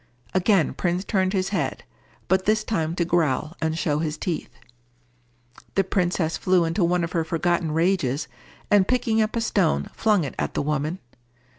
Again Prince turned his head, but this time to growl and show his teeth. The princess flew into one of her forgotten rages, and picking up a stone, flung it at the woman.